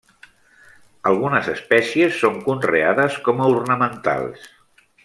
Algunes espècies són conreades com a ornamentals.